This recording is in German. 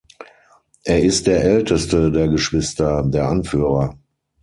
Er ist der älteste der Geschwister, der Anführer.